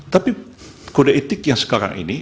tapi kode etik yang sekarang ini